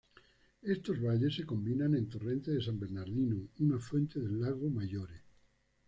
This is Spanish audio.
Estos valles se combinan en Torrente de San Bernardino, un afluente del lago Maggiore.